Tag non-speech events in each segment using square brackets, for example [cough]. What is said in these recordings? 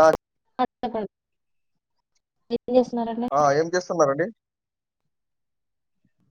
ఆ [unintelligible] ఆ ఏం చేస్తున్నారండి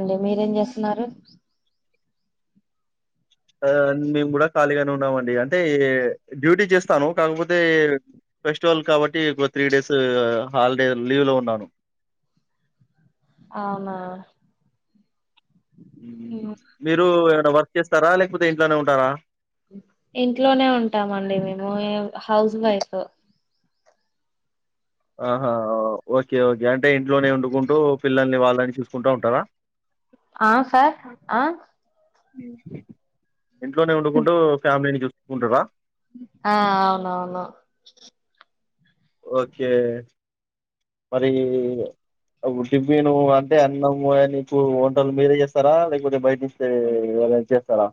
అంటే మీరేం చేస్తున్నారు ఆ మేము కూడా ఖాళీగానే ఉన్నామండి అంటే డ్యూటీ చేస్తాను కాకపోతే ఫెస్టివల్ కాబట్టి ఒక త్రీ డేస్ హాలిడే లీవ్ లో ఉన్నాను అవునా మీరు వర్క్ చేస్తారా లేకపోతే ఇంట్లోనే ఉంటారా ఇంట్లోనే ఉంటామండి మేము హౌస్ వైఫ్ ఆహా ఓకే ఓకే అంటే ఇంట్లోనే వండుకుంటూ పిల్లల్ని వాళ్ళని చూసుకుంటా ఉంటారా ఆ సార్ ఆ హ్మ్ ఇంట్లో నే ఉండుకుంటూ ఫ్యామిలీని చూస్ ఉంటారా ఆ అవునువును ఓకే మరి టిఫిన్ ను అంటే అన్నము అ నీకు వంటలు మీరే చేస్తారా లేకపోతే బయటి నుంచి చేస్తారా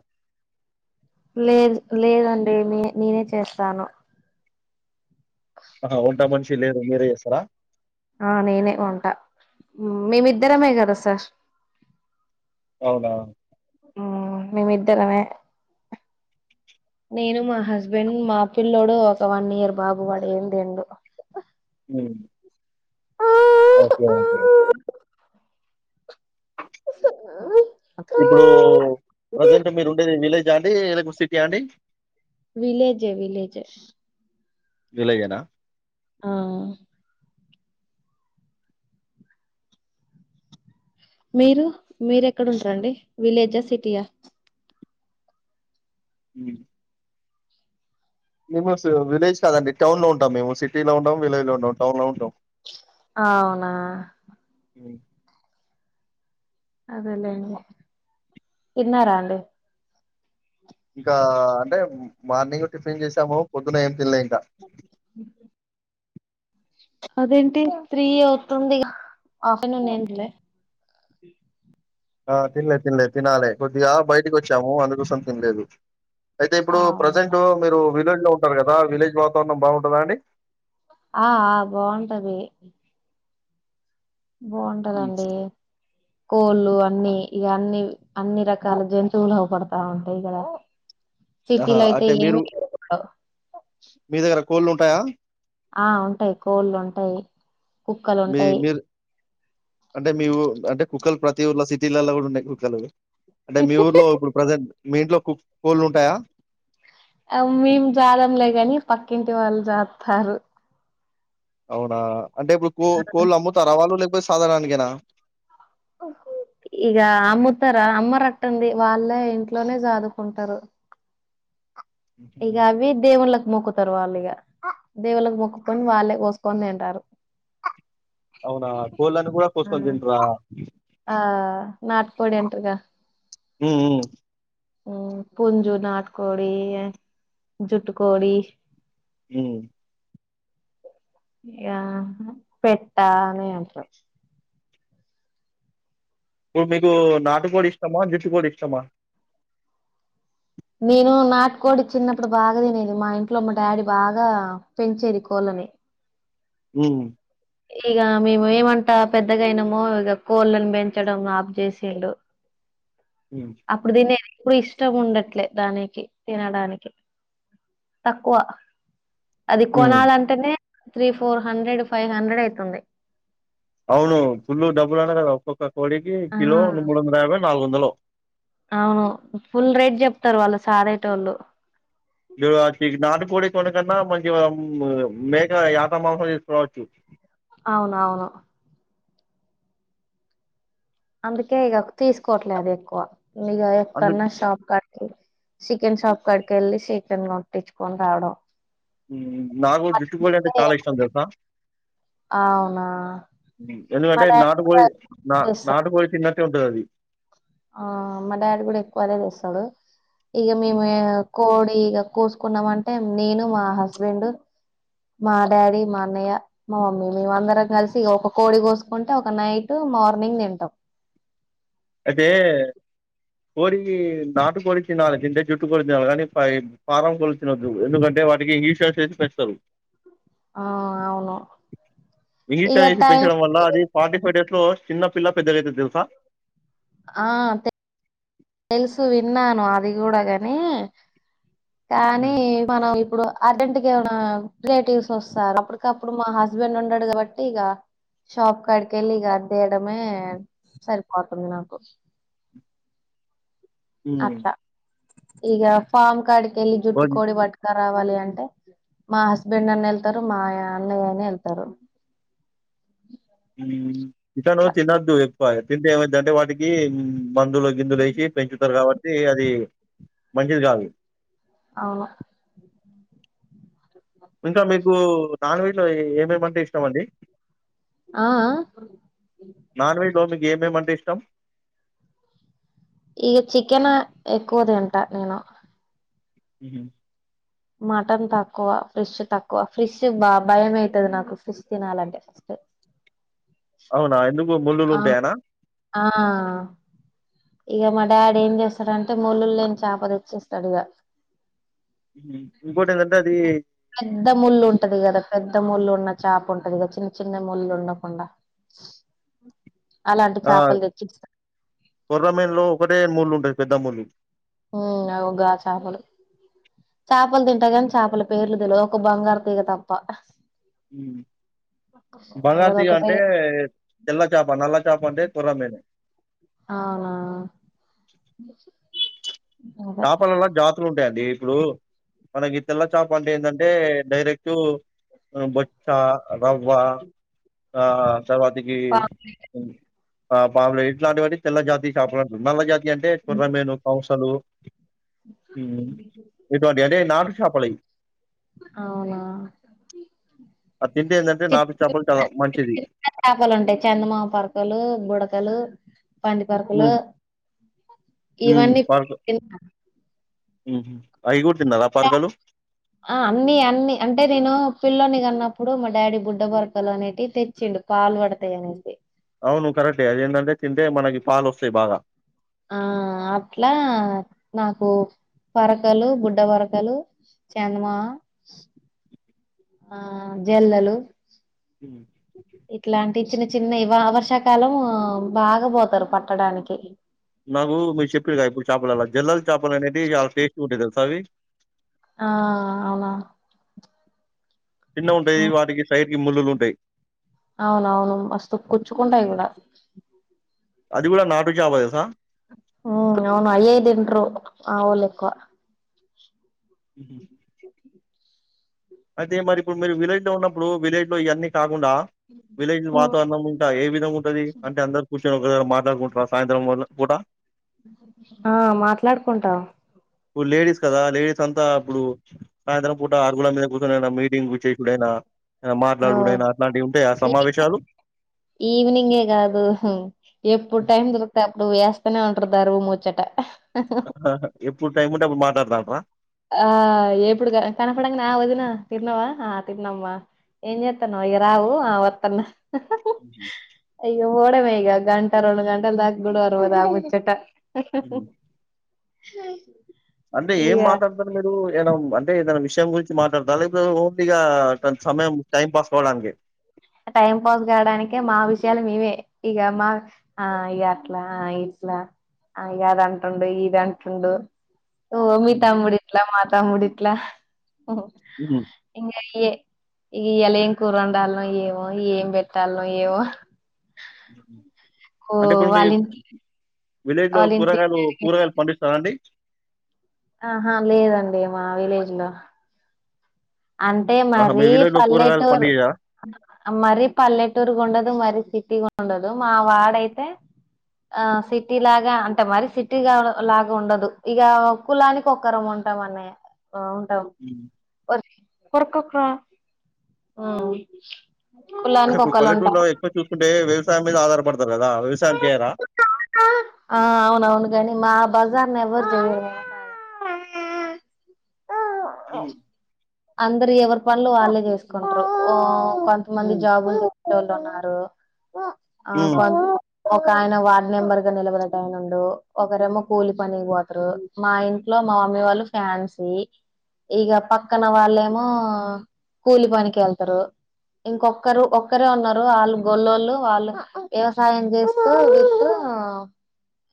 లేదు లేదండి మీ నేనే చేస్తాను ఆ వంట మనిషి చి లేదు మీరే చేస్తారా ఆ నేనే వంటా మేమి ద్దరమే గద సార్ అవునా మేమి ఇద్దరమే నేను మా హస్బెండ్ మా పిల్లోడు ఒక వన్ ఇయర్ బాబు వాడు ఏం తిండు ఉమ్ ఓకే ఓకే ఇప్పుడు ప్రజెంట్ మీరు ఉండేది విలేజ్ విలేజే విలేజే విలజేనా ఆ హ మీరు మీరు ఎక్కడ ఉంటారండి విలేజా సిటీయా ఉమ్ మేము విలేజ్ కాదండి టౌన్ లో ఉంటాం మేము సిటీ లో ఉండం విలేజ్ లో ఉండం టౌన్ లో ఉంటాం అవునా అ అదెలెండి తిన్నారా అండి ఇంకా అంటే మార్నింగ్ టిఫిన్ చేసాము పొద్దున ఏం తిన్లే అ అదేంటి త్రీ అవుతుంది ఆఫ్టర్నూన్ తినలే ఆ తినలేదు తినలేదు తినాలి కొద్దిగా బయటికి వచ్చాము అందుకోసం తినలేదు అయితే ఇప్పుడు అవునా ప్రజెంట్ మీరు విలేజ్ లో ఉ ఉంటారు కదా విలేజ్ వాతావరణం బాగుంటదా అండి ఆ బాగుంటది హ్మ్. బాగుంటదండి కోళ్ళు అన్ని ఈ అన్ని అన్ని రకాల జంతువులు అగుపడతా ఉంటయి కదా ఆహా! సిటీలో అయితే అంటే మీరు ఏమి లేవుగా కోల్లు ఉంటాయా ఆ ఉంటాయి కోళ్ళు ఉంటాయి కుక్కలు మీ ఉంటాయి మీరు అంటే మీవు అంటే కుక్కలు ప్రతి ఊళ్ళ సిటీలల్లో కూడా ఉంటాయి కుక్కలు అంటే మీ ఊర్లో ఇప్పుడు ప్రజెంట్ మీ ఇంట్లో కోళ్ళు ఉంటాయా మేం జాదంలే కాని పక్కింటి వాళ్ళు జాద్తారు అవునా అంటే ఇప్పుడు కో ఆ కోళ్ళు అమ్ముతార వాళ్లు లే సాగర్ గానికేనా ఇగ అమ్ముతార అమ్మరట్టుంది వాళ్ళ ఇంట్లోనే చాదుకుంటారు ఇగ హుహు. అవి దేవుల్లక్ మొక్కుతారు వాళ్ళు ఇగ దేవుళ్ళలకు మొక్కుకొని వాళ్ళే కోసుకొని తింటారు అవునా కోల్లని కూడా కోస్కోని తింట్రా నాట్ కోడి అంటర్గా ఊ ఊ పుంజు, నాటుకోడి, జుట్టు కోడి ఉమ్ ఆ పెట్టా అనే అంట్రు ఇప్పుడు మీకు నాటుకోడి ఇష్ మా జుట్టు కోడి ఇష్టమా నేను నాటుకోడి చిన్నప్పుడు బాగా తినేది మా ఇంట్లో మా డాడీ బాగా పెంచేది కోళ్ళని ఉమ్ ఇగ మేము ఏమంటా పెద్దగాయినామో ఇగ కోళ్ళను పెంచడం ఆఫ్ చేసిండు అప్పుడు దినేది ఇప్పుడు ఇష్టం ఉండట్లే దానికి తినడానికి తక్కువ అది ఉమ్ కొనాలంటే నే three four hundred five hundred అయితుంది అవును ఫుల్లు డబ్బు అట కదా ఒక్కొక్క కోడికి ఆ కిలో మూడు వందల యాభై నాలుగు వందలు అవును ఫుల్ రేట్ చెప్తారు వాళ్ళు సాదేటోళ్ళు [unintelligible] నాటుకోడి కోడి కన్నా మంచి మేక యాటా మాంసం తీసుకురావచ్చు అవునవును అందుకే ఇగ తీసుకోట్లే అదెక్కువ ఇహ అందు ఎట్టన్నా షాప్ కాడికి చికెన్ షాప్ కాడికెళ్ళి చికెన్ కొట్టిచ్చుకొని రావడం ఉ ఉ నాకు జుట్టుకోడి అంటే చాలా ఇష్టం తెలుసా, అవునా మా ఎందుకంటే డాడీ నాటు కూడా కోడి నా చేస్తాడు నాటు కోడి తిన్నట్టే ఉంటది అది ఆ మా డాడీ కూడా ఎక్కువదే తెస్తాడు, ఇగ మేము హ్మ్. కోడి ఇగ కోసుకున్నామంటే నేను మా హస్బెండు మా డాడీ మా అన్నయ్య మా మమ్మీ మేమ అందరం కలిసి ఒక కోడి కోసుకుంటే ఒక నైట్ మార్నింగ్ తింటం అయితే కోడి నాటు కోడి తినాలి తింటే జుట్టు కోడి తినాలి కానీ ఫారం కోడి తినొద్దు ఎందుకంటే వాటికి ఇషార్స్ వేసి పెంచుతరు ఆ అవును ఇషా ఇక వేసి టైం పెంచడం వల్ల అది ఫార్టీ ఫైవ్ డేస్ చిన్ ఆ త తెలుసు విన్నాను అది కూడా కాని కానీ హ్మ్. మనం ఇప్పుడు అర్జెంట్గామనా రిలేటివ్స్ వస్తారు అప్పటికప్పుడు మా హస్బెండ్ ఉన్నాడు కాబట్టి ఇక షాప్ కడికి వెళ్ళి ఇక తేయడమే సరిపోతుంది నాకు ఉమ్ ఇగా ఫార్మ్ కడి కి ఎలీ కోడి జుట్టుకోడి బట్క రావాలి అంటే మా హస్బెండ్ అన్న వెళ్తారు మా అన్నయ్యనే వెళ్తారు ఉమ్ చికెన్ తిందో ఏకూ తింటే ఏమై అంటే వాటికి మాందులు గిందులు వేసి పెంచుతారు కాబట్టి అతే అది మంచిది కాదు అవును ఇంకా మీకు నాన్ వెజ్లో ఇగా ఏమేమంటే ఇష్టంమండి ఆ ఆ నాన్ వెజ్ లో మీకు ఏమేమ అంటే ఇష్టం ఈగ చికెన్ ఎక్కువది అంట నేను ఉహుమ్ మటన్ తక్కువ ఫిష్ తక్కువ ఫిష్ బా భయం అవుతుంది నాకు ఫిష్ తినాలంటే ఫస్ట్ అవునా ఎందుకు ముళ్ళలు ఆ ఉంటాయనా ఆ ఇక మా డాడీ ఏం చేస్తాడంటే మూలలు లేని చేప తెచ్చేస్తాడు ఇక ఉమ్ ఇంకోటి ఎంధాంటే అది పెద్ద ముళ్ళు ఉంటది కదా పెద్ద ముళ్ళు ఉన్న చాప ఉంటదిద చిన్న చిన్న ముళ్ళ ఉండకుండా అలా ఆ కొర్రమేన్లో ఒకటే మూర్లు ఉంటది పెద్ద మలు అవుగా చేపలు చేపలు తింటా కాని చేపల పేర్లు తెలియదు ఒక బంగారు తీగ తప్ప ఉమ్ బంగారు తీగా గదొకటే అంటే తెల్ల చాప నల్ల పంటే కొర్రమీను అవునా [inaudible] అదే చెపలల్లా జాతులు ఉంటాయి అండీ ఇప్పుడు మనకి ఇ తెల్ల చాప అంటే ఏంటంటే డైరెక్ట్ బచ్చా రవ్వ ఆ తర్వాతికి ఉమ్ ఆ పాములే ఇట్లాంటివన్ని తెల్ల జాతి చేపలంటర్ నల్ల జాతి ఇ అంటే కొర్రమీను కంసులు ఇటువంటివి అంటే నాటు చేపలయి [inaudible] ఆ తింటే ఏందంటే చి నాటు చేపలు చాలా చిన్న మంచిది చేపలు ఉంటాయి చందమామ పరకలు బుడతలు పంది పరకలు హ్మ్ ఇవన్నీ [inaudible] మ్ హు అయి తిన్నారా పరకలు ఆ అన్ని అన్ని అంటే నేను పిల్లోన్ని గ చిన్నప్పుడు మా డాడీ బుడ్డ బర్కలు అనేటివయి తెచ్చిండు పాలు పడతాయి అనేసి అవును కరెక్టే అదేందంటే తింటే మనకి పాలు వస్తాయి బాగా ఆ అట్లా నాకు పరకలు బుడ్డ పరకలు చందమా ఆ జెల్లలు హు ఇట్లాంటి చిన్న చిన్నయి వ వర్షాకాలం బాగా పోతారు పట్టడానికి నాకు మీరు చెప్పిరు గ ఇప్ చాపల్లల జెల్లల్ చాపలనేటియి ఇగ అవి టెస్ట్ ఉంటాయి తెల్సా అవి ఆ అవునా చిన్నగుంటాయి వాటికి సైడ్ ఈ ముళ్లులు ఉంటాయి అవునవును మస్తు కుచ్చుకుంటాయి కూడా అది కూడా నాటు చేప తెలుసా హ అవును అయ్యే తింట్రూ మా ఓళ్ళు కువ హుహు. అయితే మరి ఇప్పుడు మీరు విలేజ్ లో ఉన్నప్పుడు విలేజ్ లో ఇవన్నీ కా కుండా విలేజ్ వాతావరణం ఉంటా ఏ విధంగ ఉంటది అంటే అందరు కుస్ ఒక వేల మాట్లాడుకుంటర సాయంత్రం వల్ పూట ఆ మాట్లాడుకుంటం ఇప్పుడు లేడీస్ కదా లేడీస్ అంతా ఇప్పుడు సాయంత్రం పూట ఆరుగుల మీద అన్ మీటింగ్ పెట్టెకూడైనా ఓ మాట్లాడుడేనా అట్లాంటియి ఉంటాయ ఈవినింగ్ సమావేశాలు ఈవినింగే ఏ కాదు ఎప్పుడు టైం దొరికితే అప్పుడు ఏస్తనే ఉ పెడుతరు మూచ్చట ఎప్పుడు టైం ఉంటే అప్పుడు మాట్లాడుతండ్రా ఆ ఎప్పుడు కనపడంగానే ఆ వదిన తిన్నావా ఆ తిన్నామ్మా ఏం చేత్తనవ్ ఇగ రావు ఆ వత్తన్న ఇ ఓడమే ఈగ గంట రెండు గంటల దాగ గుడ ఒరువదా ముచ్చట ఉ హ అంటే ఏం మాట్లాడు లేదు ఏద అంటే ఏదనా విషయం గురించి మాట్లాడతా తలెత్ ఇగ తన్ సమయం టైం పాస్ చోలాంగే టైం పాస్ కావడానికే మా విషయాలు మేమె ఇక మా ఆ ఇక అట్లా ఇట్లా ఇ అద అంటుండు ఇది అంటుండు ఓ మీ తమ్ముడు ఇట్లా మీ తమ్ముడు ఇ ట్లా ఓహో ఇంగ య్యే ఈయ్యాలం కూర వండాల్ ఏం ఏం పెట్టాలనో ఏవో అంటే ఇప్పుడు మీ వాళ్ళయిన్ విలేజ్ లో కూరగాయలు కూరగాయలు పండి అండి ఆహా లేదండి మా విలేజ్ లో అంటే ఆహా మీ మరీ విలేజ్ లో కూరగాయలు పల్లెటూరు పండియరా మరి పల్లెటూరు ఉండదు మరి సిటీగా ఉండదు మా వాడయితే ఆ సిటీ లాగా అంటే మరి సిటీగ లాగా ఉండదు. ఇక కులానికి ఒక్కరం ఉంటాం. అన్నట్ బావుంటావు కొరకకు ఉ ఇప్పుడు పల్లేటూరులో ఎక్కువ చూసుకుంటే వ్యవసాయం మీద ఆధారపడ ఆ అవునవును గాని మా అబ్ బజార్ నెవ్వర్ జేయర్ హు అందరు ఎవరి పనులు వాళ్ళే చేసుకుంటరు ఊ కొంతమంది జాబ్ లు ఎవలున్నారు ఆ కొ ఒక ఆయన వార్డ్ మెంబర్ గా నిలబడటయినండు. ఒకరేమో కూలి పని పోతరు. మా ఇంట్లో మా మమ్మీ వాళ్ళు ఫ్యాన్సీ ఇక పక్ క్కన వాళ్ళేమో కూలి పనికి వెళ్తారు. ఇంకొక్కరు ఒక్కరే ఉన్నారు. వాళ్ళు గొల్లోళ్ళు వాళ్ళు వ్యవసాయం చేస్తూ వీత్తు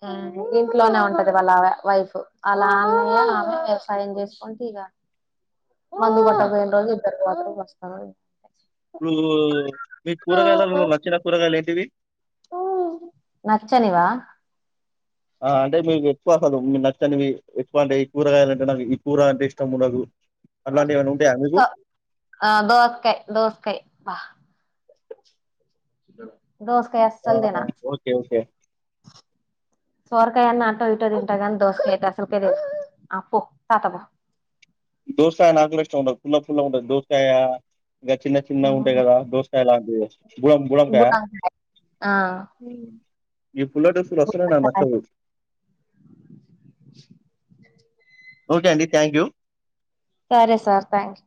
హ్మ్ ఇంట్లోనే ఉంటది. వాళ్ళవిడ వైఫ్ అలా ఆమె ఆమె వ్యవసాయం చేసుకుంటే, ఇక మందు కొట్టక ఇప్పుడు పోయిన రోజు బతుకు వస్తా ఇప్పుడు మీకు కూరగాయలలో నచ్చిన కూరగాయలు ఏంట్ కివి నచ్చనివా ఆ అంటే మీకు ఎక్కువ కదు, మీ నచ్చనివి ఎక్కువ అంటే ఈ కూరగాయాలంటే, నాకు ఈ కూర అంటే ఇష్టమునకు అ దోస్కై దోస్కై బా దోసకయ్ అస్సల్ ఆహా! తినా ఓకే. ఓకే. సోర్కాయన్నా అంట ఇటో తింటాగ ని అంత దోసక అయితే అసలుకద ఆప్ప తాత బ దోసకాయ నాకుడా ఇష్టం ఉండదు. ఫుల్లగ్ ఫుల్లగ ఉంటదు దోసకాయ ఇంకా చిన్న చిన్న ఉంటాయి కదా దోసకాయ ఎలాంట్ ఇవే గుం గుళంకాయ ఆ ఆ ఈ పుల్ల దోసలు అసలే నాక్ నచ్చవు ఓకే అండి థ్యాంక్ యు సరే సార్ థ్యాంక్ యూ